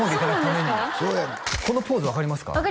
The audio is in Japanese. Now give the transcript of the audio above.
このポーズ分かりますか？